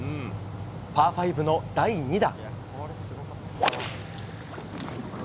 パー５の第２打。